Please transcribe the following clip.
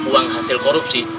uang hasil korupsi